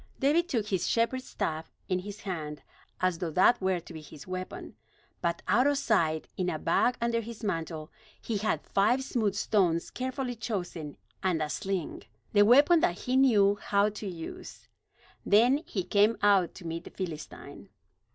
David took his shepherd's staff in his hand, as though that were to be his weapon. But out of sight, in a bag under his mantle, he had five smooth stones carefully chosen, and a sling, the weapon that he knew how to use. Then he came out to meet the Philistine.